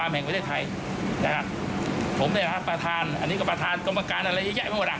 ผมเนี่ยนะประธานอันนี้ก็ประธานกรรมการอะไรเยอะแยะไม่มาหลัง